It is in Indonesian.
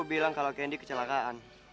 bilang kalau candy kecelakaan